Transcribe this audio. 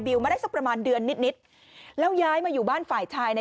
มาได้สักประมาณเดือนนิดนิดแล้วย้ายมาอยู่บ้านฝ่ายชายใน